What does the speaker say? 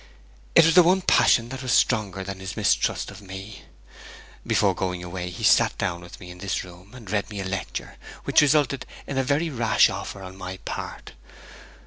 It was the one passion that was stronger than his mistrust of me. Before going away he sat down with me in this room, and read me a lecture, which resulted in a very rash offer on my part.